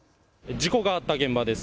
事故があった現場です。